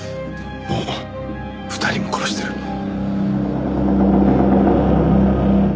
もう２人も殺してる？